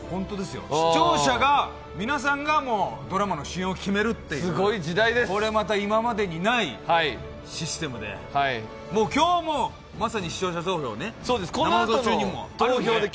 視聴者が、皆さんがドラマの主演を決めるっていう、これまた今までにないシステムで今日も、まさに視聴者投票ね、生放送中にもあるので。